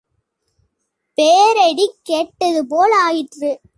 பேரிடி கேட்டதுபோல் ஆயிற்று.